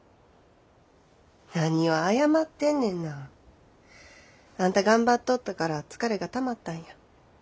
何を謝ってんねんな。あんた頑張っとったから疲れがたまったんや。